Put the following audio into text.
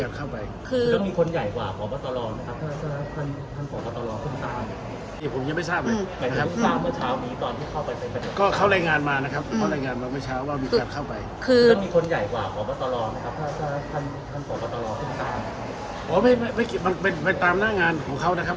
เพราะมันเป็นไปตามหน้างานของเขานะครับ